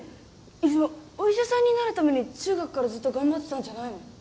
泉お医者さんになるために中学からずっと頑張ってたんじゃないの？